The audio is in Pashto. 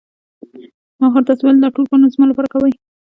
آخر تاسو ولې دا ټول کارونه زما لپاره کوئ.